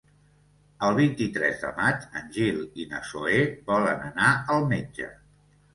El vint-i-tres de maig en Gil i na Zoè volen anar al metge.